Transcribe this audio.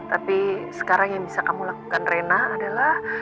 tapi sekarang yang bisa kamu lakukan rena adalah